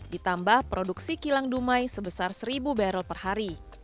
ditambah produksi kilang dumai sebesar seribu barrel per hari